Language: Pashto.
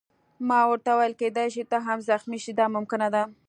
ما ورته وویل: کېدای شي ته هم زخمي شې، دا ممکنه ده.